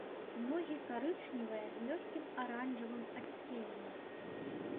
Ногі карычневыя з лёгкім аранжавым адценнем.